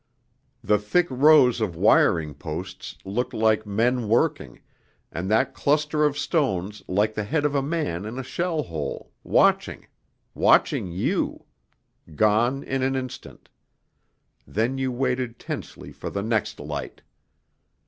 The thick rows of wiring posts looked like men working, and that cluster of stones like the head of a man in a shell hole, watching ... watching you ... gone in an instant.... Then you waited tensely for the next light.